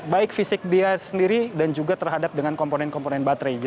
baik fisik dia sendiri dan juga terhadap dengan komponen komponen baterai